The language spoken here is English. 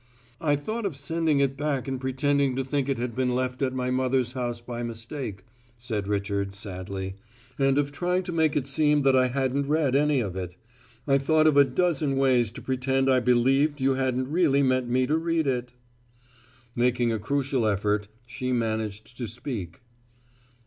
"I thought of sending it back and pretending to think it had been left at my mother's house by mistake," said Richard sadly, "and of trying to make it seem that I hadn't read any of it. I thought of a dozen ways to pretend I believed you hadn't really meant me to read it " Making a crucial effort, she managed to speak.